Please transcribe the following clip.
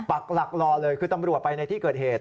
ปักหลักรอเลยคือตำรวจไปในที่เกิดเหตุ